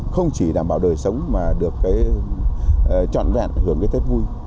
không chỉ đảm bảo đời sống mà được cái trọn vẹn hưởng cái tết vui